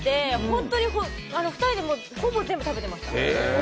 本当に、２人でほぼ全部食べてました。